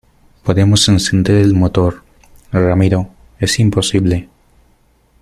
podemos encender el motor. ramiro, es imposible .